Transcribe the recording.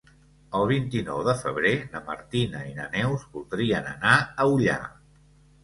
El vint-i-nou de febrer na Martina i na Neus voldrien anar a Ullà.